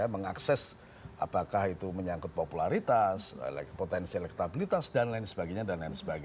mengakses apakah itu menyangkut popularitas potensi elektabilitas dan lain sebagainya